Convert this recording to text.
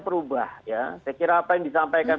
berubah ya saya kira apa yang disampaikan